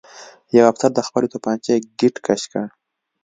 یوه افسر د خپلې توپانچې ګېټ کش کړ